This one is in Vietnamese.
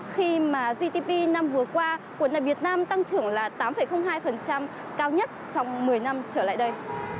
khi mà gdp năm vừa qua cuốn sách việt nam tăng trưởng là tám hai cao nhất trong một mươi năm trở lại đây